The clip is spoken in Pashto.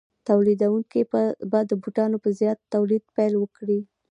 تولیدونکي به د بوټانو په زیات تولید پیل وکړي